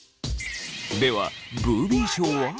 ではブービー賞は。